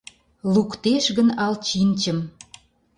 Луктеш гын ал чинчым —